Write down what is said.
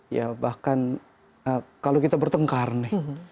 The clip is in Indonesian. ya bahkan kalau kita bertengkar nih